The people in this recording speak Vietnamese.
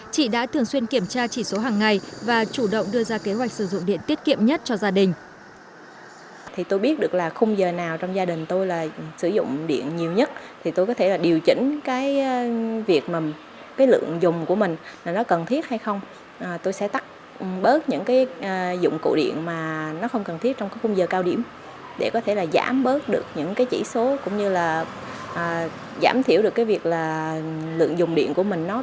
chị đã thường xuyên kiểm tra chỉ số hàng ngày và chủ động đưa ra kế hoạch sử dụng điện tiết kiệm nhất cho gia đình